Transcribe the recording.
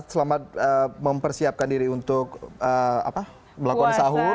selamat mempersiapkan diri untuk melakukan sahur